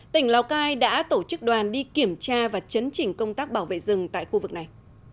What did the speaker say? tỉnh lào cai đã tổ chức đoàn đi kiểm tra và chấn chỉnh công tác bảo vệ rừng tại khu vực này